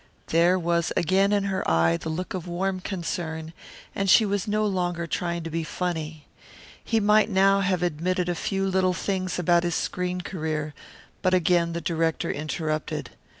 There was again in her eye the look of warm concern, and she was no longer trying to be funny. He might now have admitted a few little things about his screen career, but again the director interrupted.